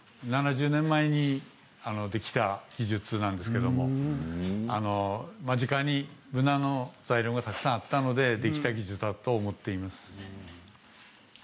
７０年前にできた技術なんですけれど間近にブナの材料がたくさんあったのでできた技術だと思っています。